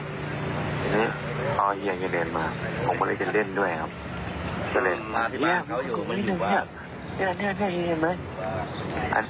นี่ก็หยั่งเรื่อย